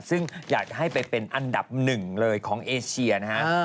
ซึ่งอยากให้ไปเป็นอันดับหนึ่งเลยของเอเชียนะฮะ